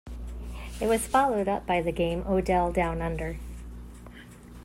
It was followed up by the game "Odell Down Under".